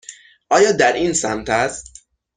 آیا در این سمت است؟